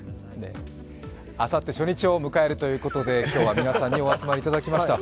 あさって初日を迎えるということで、今日は皆さんにお集まりいただきました。